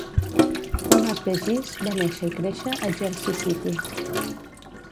Thomas DeGise va néixer i créixer a Jersey City.